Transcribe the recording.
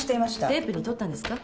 テープにとったんですか？